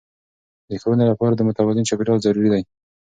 د ښوونې لپاره د متوازن چاپیریال ضروري دی.